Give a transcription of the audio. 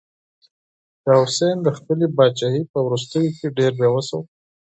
شاه حسين د خپلې پاچاهۍ په وروستيو کې ډېر بې وسه و.